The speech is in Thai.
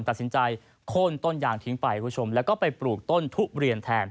ตัดสินใจโค้นต้นยางทิ้งไปคุณผู้ชมแล้วก็ไปปลูกต้นทุเรียนแทน